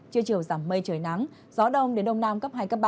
trưa chiều giảm mây trời nắng gió đông đến đông nam cấp hai cấp ba